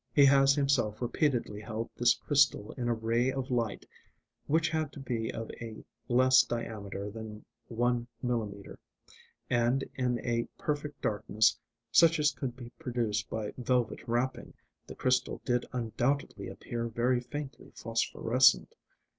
He has himself repeatedly held this crystal in a ray of light (which had to be of a less diameter than one millimetre). And in a perfect darkness, such as could be produced by velvet wrapping, the crystal did undoubtedly appear very faintly phosphorescent.